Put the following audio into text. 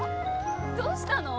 どうしたの？